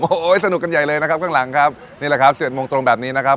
โอ้โหสนุกกันใหญ่เลยนะครับข้างหลังครับนี่แหละครับ๗โมงตรงแบบนี้นะครับ